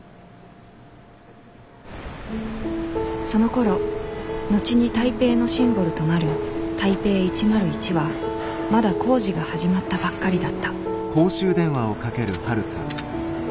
そのころ後に台北のシンボルとなる台北１０１はまだ工事が始まったばっかりだった